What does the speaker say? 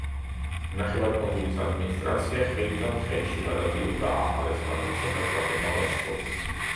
ნახევარკუნძულის ადმინისტრაცია ხელიდან ხელში გადადიოდა ახალ ესპანეთსა და გვატემალას შორის.